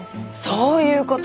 そういうこと。